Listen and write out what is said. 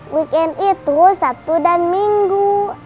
weekend itu sabtu dan minggu